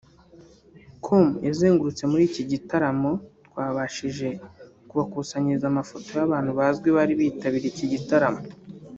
com yazengurutse muri iki gitaramo twabashije kubakusanyiriza amafoto y’abantu bazwi bari bitabiriye iki gitaramo